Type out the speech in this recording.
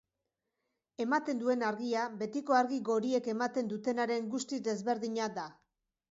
Ematen duen argia betiko argi goriek ematen dutenaren guztiz desberdina da.